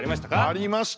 ありました。